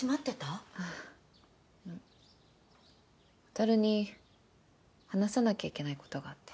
渉に話さなきゃいけない事があって。